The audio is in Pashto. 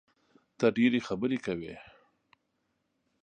ته ډېري خبري کوې!